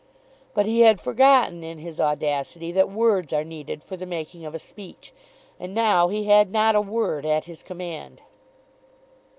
But he had forgotten in his audacity that words are needed for the making of a speech, and now he had not a word at his command.